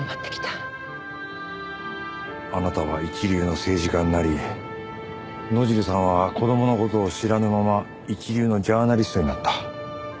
あなたは一流の政治家になり野尻さんは子供の事を知らぬまま一流のジャーナリストになった。